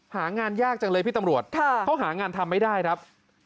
หางานยากจังเลยพี่ตำรวจเขาหางานทำไม่ได้ครับ